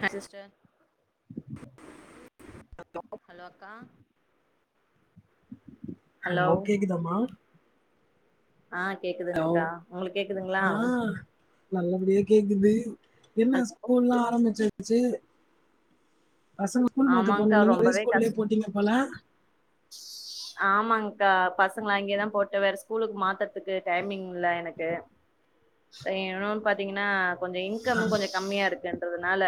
Hi sister hello அக்கா hello கேக்குதாமா ஆ ஹலோ கேக்குதுங்கா உங்ளுக் கேக்குதுங்ளா ஆ நல்லபடியா கேக்குது என்ன ஹலோ ஸ்கூல்லா ஆரம்பிச்சா ச்சு பசங்க ஸ்கூல் மாத்த ஆமாங்க்கா போனேனீங்க ஒரே ரொம்பவே ஸ்கூல்லே கஷ் போட்டீங்க போல ஆமாங்க்கா பசங்கள அங்கே தா போட்டே வேற ஸ்கூலுக்கு மாத்தற்துக்கு டைமிங் இல்ல எனக்கு இன்னொன் பாத்தீங்கன்னா கொஞ்சோ ஆ இன்கமு கொஞ்சொ கம்மியாருக்குன்றதுனால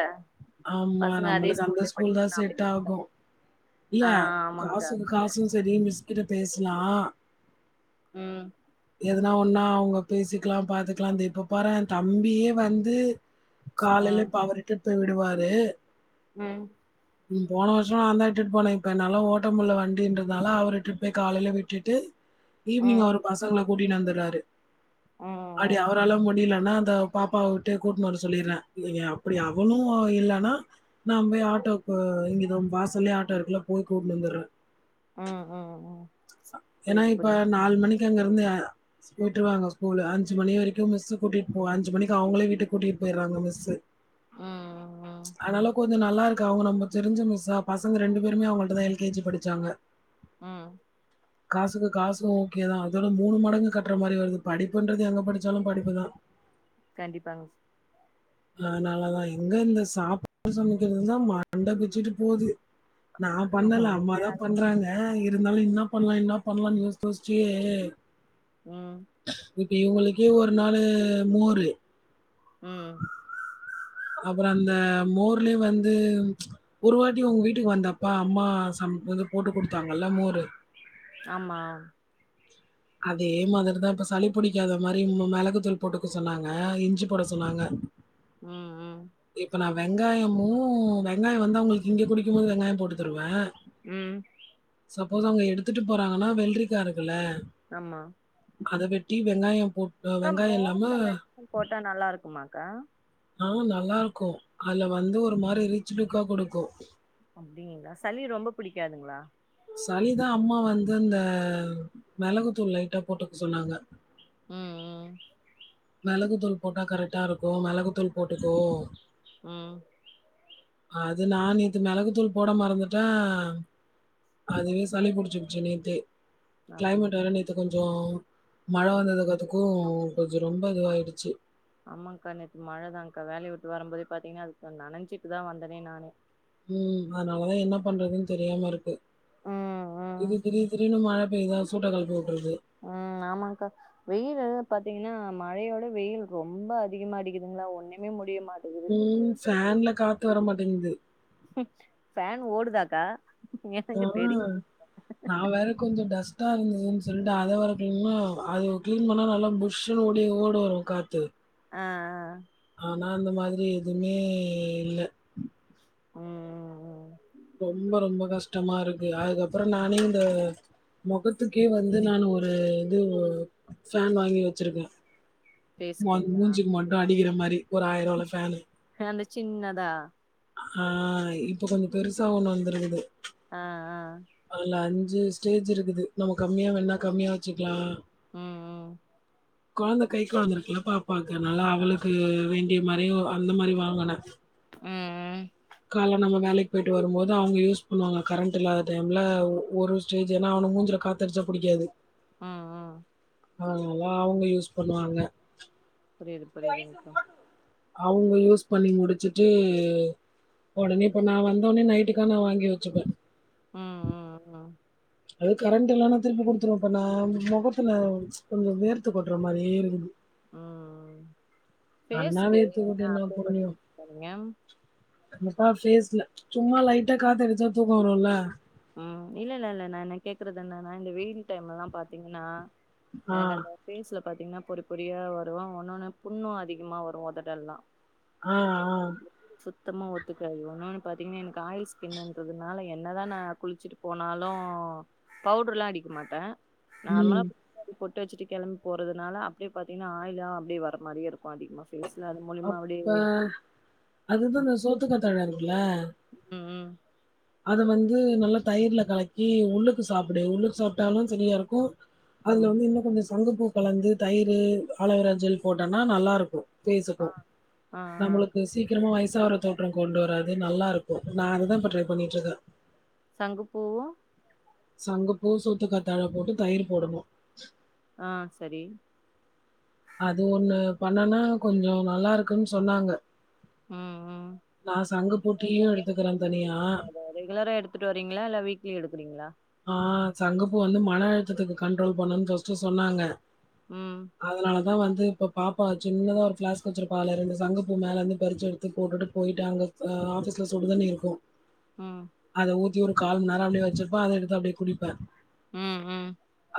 ஆமா நம்மளுக்கு அந்த ஸ்கூல் தா அப்டின்னு செட்டாகு இருக்காங்க இல்ல ஆ ஆமாங்க்கா காசுக்கு காசூ சேரி மிஸ்கிட்ட பேசலா ம் எதுனா ஒன்னா அவுங்க பேசிக்லா பாத்துக்லா ந்த இப்ப பாரே தம்பியே வந்து காலைல ம் ப்ப அவர் இட்டுட் போய் விடுவாரு ம் ம் போன வர்ஷோ நா தா இட்டுட் போனே இப்ப என்னால ஓட்டமுல்ல வண்டின்றதுனால அவர் இட்டுட் போய் காலைல விட்டுட்டு ஈவ்னிங் ம் அவர் பசங்கள கூட்டின் வந்துராரு ம் அப்டி ம் அவரால முடிலன்னா அந்த பாப்பாவ வுட்டு கூட்னு வர சொல்லிர்றே இங்க அப்டி அவளு இல்லனா நா போய் ஆட்டோ ஆ இங்க நம் வாசல்லே ஆட்டோ இருக்குல்ல போய் கூட்னு வந்துறே ம் ம் ம் ஏனா புரியுது இப்ப புரியுதுங்க்கா நால்மணிக்கு அங்கருந்து விட்ருவாங்க ஸ்கூலு அஞ்சு மணி வரைக்கு மிஸ்ஸு கூட்டிட் போ அஞ்சு மணிக்கு அவுங்ளே வீட்டுக் கூட்டிட் போய்றாங்க மிஸ்ஸு ம் ம் அத்னால கொ ஞ்சோ நல்லாருக்கு அவுங்க நம்ப தெரிஞ்ச மிஸ்ஸா பசங்க ரெண்டு பேருமே அவுங்கள்ட்டதே எல் கே ஜி படிச்சாங்க ம் காசுக்கு காசு ஓகேதா அதோட மூணு மடங்கு கட்ற மாரி வருது படிப்புன்றது எங்க படிச்சாலு படிப்புதா கண்டிப்பாங்ஸ் லானாலதான் எங்க இந்த சாப் டு சமக்கிறதுதா மண்ட பிச்சுட்டு போது நா பண்ணல உண்மையா அம்மாதா அதுதா பண்றாங்க அ இருந்தாலு இன்னாப்பண்லா இன்னாப்பண்லான் யோஸ் யோஸ்ச்சியே ம் இப் இவுங்களுக்கே ஒரு நாலு மோரு ம் அப்ற அந்த மோர்லே வந்து உம் ஒரு வாட்டி உங் வீட்டுக்கு வந்தப்பா அம்மா சம் ஒது போட்டு கொடுத்தாங்கல்ல மோரு ஆமா அதே மாதிரிதா இப்ப சளி புடிக்காத மாரி மும்மு மெளகு தூள் போட்டுக்கு சொன்னாங்க இஞ்சி போட சொன்னாங்க ம் ம் இப்ப நா வெங்காயமு வெங்காய் வந்து அவங்கள்க்கு இங்க குடிக்கும்போது வெங்காயம் போடு த்ருவ ம் சப்போஸ் அவங்க எடுத்துட்டு போறாங்கன்னா வெள்ரிக்கா இருக்குள்ள அம்மா அத வெட்டி வெங்காயம் போட் கா வெங்காயம் இல்லாம மோர்ல லெக்ஸன் போட்டா நல்லார்க்குமாக்கா ஆ நல்லாருக்கு ஆல வந்து ஒரு மாரி ரீச் லுக்கா கொடுக்கு அப்டிகிங்ளா சளி ரொம்ப பிடிக்காதுங்ளா சளிதா அம்மா வந்து அந்தவ் மிளகுத்தூள் லைட்டா போட்டுக் சொன்னாங்க ம்ம் மெளகு தூள் போட்டா கரக்ட்டா இருக்கு மெளகுத்தூள் போட்டுக்கோ ம் அது நா நேத்து மெளகு தூள் போட மறந்துட்டே அம் அதுவே சளி புடிச்கிச்சி நேத்தே க்ளைமேட் அப்டிங்களா வேர நேத்து கொஞ்சோ மழை வந்ததுக் அதுக் க்கு கொஞ்சு ரொம்ப இதுவாய்டுச்சு ஆமான்க்கா நேத்து மழ தான்க்கா வேலைய விட் வரம் போதே பாத்தீங்கா அதுக் சன் நனஞாசிட்டுதா வந்ததே நானு ம்ம் அனாலதா என்ன பண்றதுன் தெரியாம ருக்கு ம் ம் இது திடீர் திடீர்னு மழ பெய்தா சூட்டக் களப்பி வுட்றுது ஆ ஆமான்க்கா வெயில் எழு பாத்தீங்னா மழையோட வெயில் ரொம்ப அதிகமா அடிக்குதுங்ளா ஒண்ணுமே முடிய மாட்டது இன் ஃபேன்ல காத்து வரமாட்டேங்து ஃபேன் ஓடுதாக்கா ஆ எனக்கு தெரியு நா வேற கொஞ்சு டஸ்ட்டா இருந்ததுன் சொல்ட்டு அத வேற கும்மா அயோவ் க்ளீன் பண்ணா நல்லா புஷ் ஷ்ஷுண்ணு ஓடி ஓடோரு காத்து அ ஆ ஆனா அந்த மாதிரி எதுமே இல்ல ம் ம் ரொம்ப ரொம்ப கஷ்டமா இருக்கு அதுக்கப்பறோ நானே இந்த முகத்துக்கே வந்து நான் ஒரு இதுவ்வு ஃபேன் வாங்கி வச்சுருக்கே மொன் பேசுறீங்களா மூஞ்சிக்கு மட்டு அடிக்கிற மாரி ஒரு ஆய்ரூவால ஃபேனு எ அந்த சின்னதா ஆ இப்ப கொஞ்ச பெருசா ஒண்ணு வந்துருக்குது ஆ ஆ அதுல அஞ்சு ஸ்டேஜ் இருக்குது நம்ம கம்மியா வேனுனா கம்மியா வச்சுக்கலா ம் கொழந்த கை கொழந்த இருக்குல்ல பாப்பாக்கு அதனால அவளுக்கு வேண் [unintelligible] மாரியோ அந்த மாரி வாங்கன ம் ம் கால்ல நம்ம வேலைக்கு போயிட்டு வரும் போது அவங்க யூஸ் பண்ணுவாங்க கரண்ட் இல்லாத டைம்ல ஒரு ஸ்டேஜ் ஏனா அவனை மூஞ்சல கா தெரிச்சா பிடிக்காது ஆ ஆ அதல்லா அவுங்க யூஸ் பண்ணுவாங்க புரியுது புரியுதுங்க்கா அவுங்க யூஸ் பண்ணி முடிச்சுட்டு உடனே இப்ப நா வந்தோனே நைட்டுக்கா நா வாங்கி வச்சுப்பே ம் ம் ம் அது கரண்ட் இல்லன்னா திருப்பி கொடுத்துருவே இப்ப நா முகத்துல கொஞ்ச வேர்த்து கொட்டுற மாரியே இருக்குது ம் நன்னா ஃபேஸ்ஷுக்கு வேர்த்து கொட்டி எதுனா என்ன அப்ளை புண்ணியோ பண்ணுவிங்கள நீங்க என்னப்பா ஃபேஸ்ல சும்மா லைட்டா காத்தடிச்சா தூக்க வரும்ல ம் இல்ல இல்ல இல்ல நா என்ன கேக்குறது என்னனா இந்த வெயில் டைம்ல எல்லா பாத்தீங்கனா ஆ எனக்கு அந்த ஃபேஸ்ல பாத்தீங்னா பொரி பொரியா வரு ஒன்னொன்னு புண்ணு அதிகமா வரு உதடல்லா ஆ ஆ சுத்தமா ஒத்துக்காது ஒன்னொன்னு பாத்தீங்னா எனக்கு ஆயில் ஸ்கின்றதுனால என்னதா நா குளிச்சுட்டு போனாலு பவுடர்லா அடிக்க மாட்டே நார்மலா ம் பொட்டு வச்சுட்டு கிளம்பி போறதுனால அப்படியே பாத்தீங்னா ஆயிலா அப்படிே வர மாரியே இருக்கு அதிகமா ஃபேஸ்ல அது மூலியமா அப்டியே அப்ப அதுதா இந்த சோத்துக்கத்தாழ இருக்குல்ல ம் ம் அத வந்து நல்லா தயிர்ல கலக்கி உள்ளுக்கு சாப்டு உள்ளுக்கு சாப்ட்டாலு சரியா இருக்கு அதுல ம் வந்து இன்னு கொஞ்ச சங்குப்பூ கலந்து தயிர் ஆலவிரஜெல் போட்டோன்னா நல்லா இருக்கு ஃபேஸ்சுக்கு ஆ ஆ நம்மளுக்கு சீ கிரமா வயசாவர தோற்றம் கொண்டு வராது நல்லா இருக்கு நா அத தா இப்ப ட்ரை பண்ணிட்டு இருக்குறே சங்குப்பூவு சங்குப்பூ சோத்து கத்தாழை போட்டு தயிர் போடணு ஆ சரி அது ஒண்ணு பண்ணனா கொஞ்சோ நல்லா இருக்குன்னு சொன்னாங்க ம் ம் நா சங்கு புட்டியு எடுத்துக்கிறே தனியா ரெகுலரா எடுத்துட்டு வரீங்களா இல்ல வீக்லி எடுக்குறீங்களா ஆ சங்கப்பூ வந்து மன அழுத்தத்துக்கு கண்ட்ரோல் பண்ணணும்னு ஃபர்ஸ்ட் சொன்னாங்க ம் அதனால தா வந்து இப்ப பாப்பா சின்னதா ஒரு ஃபிளாஸ்க் வச்சிருப்பால ரெண்டு சங்க பூ மேல இருந்து பறிச்சு எடுத்து போட்டுட்டு போயிட்டாங்க அ ஆஃபீஸ்ல சுடு தண்ணி இருக்கு ம் அத ஊத்தி ஒரு கால் மணேரோ அப்டியே வச்சிருப்ப அத எடுத்து அப்டியே குடிப்பே ம் ம்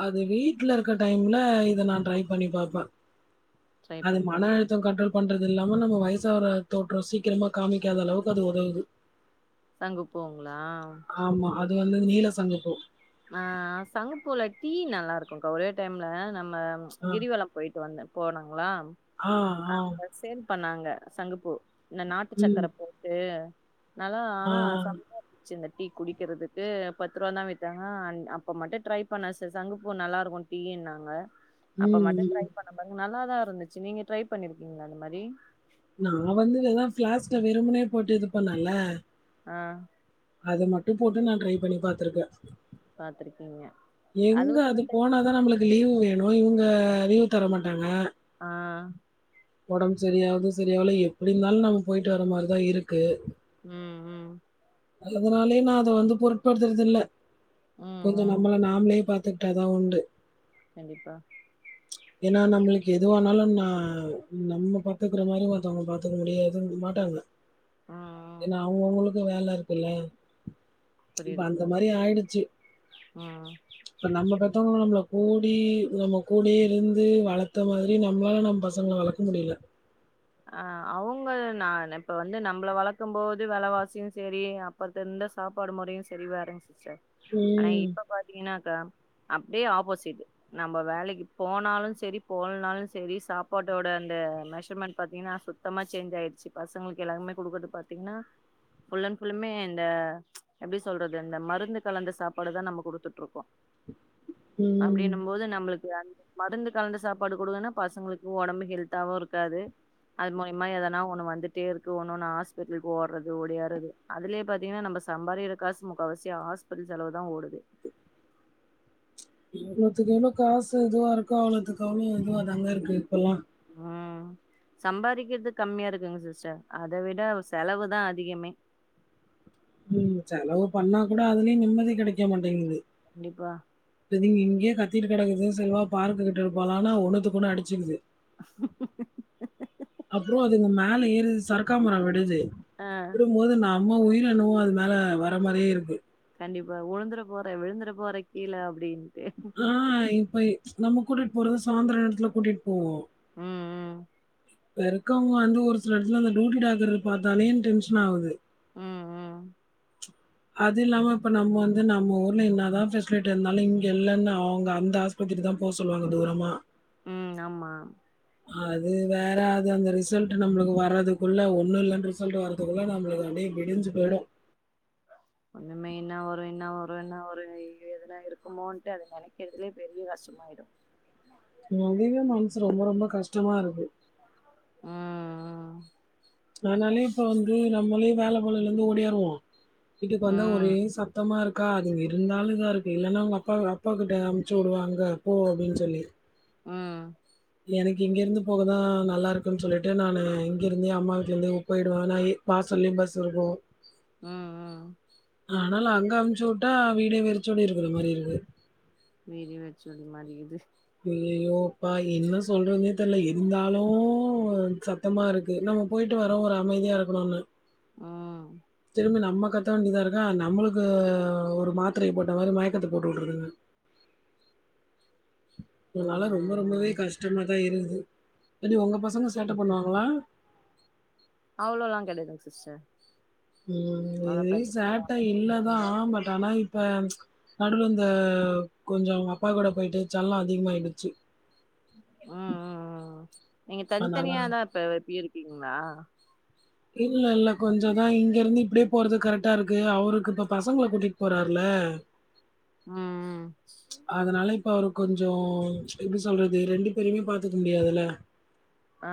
அது வீட்ல இருக்குற டைம்ல இத நா ட்ரை பண்ணி பார்ப்ப ட்ரை அது பண்ணி மன பாக்குறே அழுத்த கண்ட்ரோல் பண்றது இல்லாம நம்ம வயசான தோற்றோ சீக்கிரமா காமிக்காத அளவுக்கு அது உதவுது சங்கு பூவுங்கலா ஆமா அது வந்து நீல சங்குப்பூ ஆ சங்கப்பூல டீ நல்லா இருக்குக்கா ஒரே டைம்ல நம்ம ஆ கிரிவலம் போயிட்டு வந்த போனங்களா ஆ ஆ அங்க சேல் பண்ணாங்க சங்குப்பூ இந்த நாட்டு ம் சக்கர போட்டு நல்லா ஆ ஆனா சமையா இருந் ச்சு இந்த டீ குடிக்கிறதுக்கு பத்து ரூவான் தா வித்தாங்க அன் அப்ப மட்டு ட்ரை பண்ண சிஸ் சங்கப்பூ நல்லா இருக்கு டீனாங்க அப்ப ம் மட்டு ட்ரை ம் பண்ண பாருங்க நல்லா தா இருந்துச்சு நீங்க ட்ரை பண்ணிருக்கீங்களா அந்த மாரி நா வந்து இததா பிளாஸ்க்ல வெரும்பனே போட்டு இது பண்ணல்ல ஆ அது மட்டு போட்டு நா ட்ரை பண்ணி பாத்துருக்கே பாத்திருக்கீங்க எங்க அதுவும் சுட அது தண்ணி போனாதா நம்மளுக் கு லீவு வேணு இவங்க லீவு தர மாட்டாங்க ஆ உடம்ப சரியாவது சரியாவல எப்படி இருந்தாலு நம்ம போயிட்டு வர மாரிதா இருக்கு ம் ம் அதனாலயே நா அத வந்து பொருட்படுத்துறது இல்ல ம் கொஞ்சோ ம் நம்மள நாமளே பா த்துகிட்டா தா உண்டு கண்டிப்பா ஏன்னா நம்மளுக்கு எதுவனாலு நா நம்ம பாத்துக்குற மாரி ஒருத்தவங்க பாத்துக்க முடியாது மாட்டாங்க ஆ ஏன்னா அவங்கவுங்களுக்கு வேல இருக்கு இல்லயா இப்ப புரியுது அந்த புரியுது மாரி ஆயிடுச்சு ம் இப்ப நம்ம பெத்தவங்க நம்மள கூடி நம்ம கூடே இருந்து வளத்த மாதிரி நம்மளால நம்ம பசங்களை வளக் முடியல அ அவுங்க நா இப்ப வந்து நம்மள வளர்க்கும் போது வெலவாசியு சேரி அப்பத்த இருந்த சாப்பாடு மொறையு சரிவா இருந்துச்சு சிஸ்டர் ஆனா ம். இப்ப பாத்தீங்கன்னாக்கா அப்டியே ஆப்போசிட்டு நம்ப வேலைக்கி போனாலு செரி போலனாலு செரி சாப்பாட்டோட அந்த மெஷர்மெண்ட் பாத்தீங்கன்னா சுத்தமா சேஞ்ச் ஆயிடுச்சு பசங்களுக்கு எல்லாருக்குமே குடுக்கிறது பாத்தீங்கன்னா ஃபுல் அண்ட் ஃபுல்லுமே இந்த எப்டி சொல்றது அந்த மருந்து கலந்த சாப்பாடு தா நம்ம குடுத்துட்டு இருக்கோ ம். அப்படின்னும் போது நம்மளுக்கு அந்த மருந்து கலந்த சாப்பாடு குடுங்கன்னா பசங்களுக்கு உடம்பு ஹெல்த்தாவு இருக்காது அது மூலியமா எதனா ஒண்ணு வந்துட்டே இருக்கு ஒன்னு ஒன்னா ஹாஸ்பிட்டலுக்கு ஓடுறது ஓடியாறது அதுலயே பாத்தீங்கன்னா நம்ம சம்பாரிக்கிர காசு முக்காவாசி ஹாஸ்பிட்டல் செலவு தா ஓடுது எவ்ளோதிக்கு எவ்வளோ காசு இதுவா இருக்கோ அவ்ளவுதுக்கு அவ்ளோ இதுவாதாங்க இருக்கு இப்பல்லா ஆ சம்பாரிக்கிறது கம்மியா இருக்குங்க சிஸ்டர் அத விட செலவு தா அதிகமே ம் செலவு பண்ணா கூட அதுலயு நிம்மதி கெடைக்க மாட்டேங்குது கண்டிப்பா இப்ப நீங்க இங்கயே கத்திட்டு கெடக்குது செரி வா பார்க்கு கிட்டுட்டு போலான்னா ஒண்ணுத்துக்கு ஒன்னு அடிச்சுக்குது அப்புறோ அதுங்க மேல ஏறுது சருக்கா மர விடுது ஆ விடும்போது நா நம்ம உயிரென்னவோ அது மேல வர மாரியே இருக்கு கண்டிப்பா உழுந்துர போற விழுந்துர போற கீழ அப்டின் ஆ இப்ப நம்ம கூட போறது சாயந்திர நேரத்துல கூட்டிட்டு போவோ உம் ம் இப்ப இருக்கவங்க வந்து ஒரு சில எடத்துல அந்த டியூட்டி டாக்டர பாத்தாலே டென்ஷன் ஆகுது உம் ம் அது இல்லாம இப்ப நம்ம வந்து நம்ம ஊர்ல என்னதா ஃபெசிலிட்டி இருந்தாலும் இங்க இல்லன்னு அவங்க அந்த ஆஸ் பத்திரி தா போ சொல்லுவாங்க தூரமா உம் ஆமா அது வேற அது அந்த ரிசல்ட் நம்மளுக்கு வர்ரதுக்குள்ள ஒன்னு இல்லன்னு ரிசல்ட் வர அதுக்குல்ல நம்ளுக்கு அப்டியே விடிஞ்சு போயிடும் [inaudible] ஒண்ணுமே என்னா வரும் என்னா வரும் என்னா வரு எதனா இருக்குமோன்ட்டு அத நெனைக்கிறதுலயே பெரிய கஷ்டமாயிடும் அதுவே மனசு ரொம்ப ரொம்ப கஷ்டமா இருக்கு ஆ ஆ அதனாலே இப்ப வந்து நம்மளே வேல கொள்ளைல்ல இருந்து ஓடியாருவோம் வீட்டுக்கு வந்தா ஒரே ம் சண் சுத்தமா இருக்கா அதுங்க இருந்தாலு இதா இருக்கு இல்லன்னா அவங்க அப்பா அப்பாக்கிட்ட அமுச்சு விடுவாங்க போ அப்டின்னு சொல்லி உம் எனக்கு இங்கேருந்து போக தா நல்லாருக்குன்னு சொல்லிட்டு நானு இங்கிருந்தே அம்மா வீட்லேருந்தே போயிடுவே நா ஏ வாசல்லே பஸ் வரும் உம் ஆனாலு அங்க அமுச்சு விட்டா வீடே வெறிச்சோடி இருக்குற மாரி இருக்கு வீடே வெறிச்சோடி மாறி க்குது ஐயயோ அப்பா என்ன சொல்றதுனே தெரில இருந்தாலூ சத் சத்தமா இருக்கு நம்ம போயிட்டு வரோ ஒரு அமைதியா இருக்கணுல்ல அ நம்ம கத்த வேண்டியதா இருக்கா நம்மளுக்கு ஒரு மாத்திரை போட்ட மாதிரி மயக்கத்த போட்டு விட்ருதுங்க அதனால ம் ரொம்ப ம் ரொம்பவே ம் கஷ்டமாதா இருக்குது எப்டி ஒங்க பசங்க சேட்ட பண்ணுவாங்களா அவ்ளோல்லா கெடயாதுங்க சிஸ்டர் உம் ஒன்னு இது பிரச்சன கெடையாது சேட்ட இல்லதா அமைதிப்பாங்க ஆ பட் ஆனா இப்ப நடுவில இந்த கொஞ்சோ அவுங்க அப்பா கூட போயிட்டு செல்லோ அதிகமாயிடுச்சு உம் ம் ம் ம் நீங்க அதனால தனித்தனியாதா இப்ப இருக்கீங்களா இல்ல இல்ல கொஞ்ச தா இங்க இருந்து இப்டியே போறது கரெக்டா இருக்கு அவருக்கு இப்ப பசங்கள கூட்டிட்டு போறாருல உம் அதனால இப்ப அவரு கொஞ்சோ எப்டி சொல்றது ரெண்டு பேருமே பாத்துக்க முடியாதுல ஆ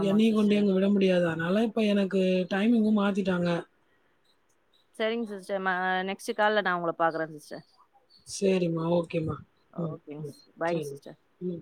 ஆமாங்க எண்ணெயு கொண்டி சிஸ்டர் அங்க விட முடியாது அதனால இப்ப எனக்கு டைமிங்கும் மாத்திட்டாங்க சரிங்க சிஸ்டர் ம நெக்ஸ்டு கால்ல நா உங்கள பாக்றே சிஸ்டர் சேரிம்மா ஓகேம்மா அ ஓகேங்க சிஸ் பாய்ங்க சிஸ்டர் உம்